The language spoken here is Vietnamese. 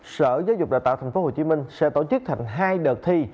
sở giáo dục đào tạo tp hcm sẽ tổ chức thành hai đợt thi